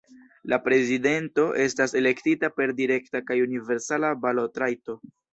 La prezidento estas elektita per direkta kaj universala balotrajto.